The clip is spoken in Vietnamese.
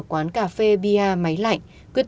quán cà phê bia máy lạnh quyết